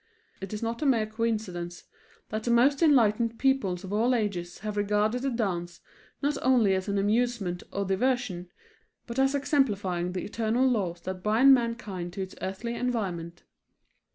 It is not a mere coincidence that the most enlightened peoples of all ages have regarded the dance not only as an amusement or diversion, but as exemplifying the eternal laws that bind mankind to its earthly environment.